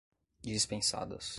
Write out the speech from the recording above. dispensadas